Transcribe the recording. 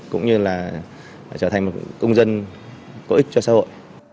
cũng như là trở thành một công dân có ích cho xã hội